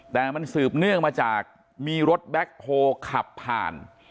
แต่มันสืบเนื่องมาจากมีรถแบ็คโฮลขับผ่าน